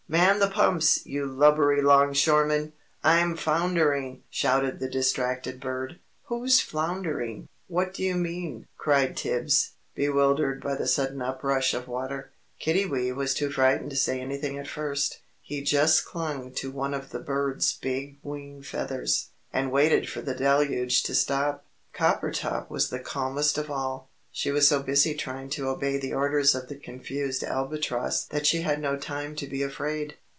"Man the pumps, you lubberly longshoremen! I'm foundering!" shouted the distracted bird. "Who's floundering? What do you mean?" cried Tibbs, bewildered by the sudden uprush of water. Kiddiwee was too frightened to say anything at first; he just clung to one of the bird's big wing feathers, and waited for the deluge to stop. Coppertop was the calmest of all. She was so busy trying to obey the orders of the confused Albatross that she had no time to be afraid.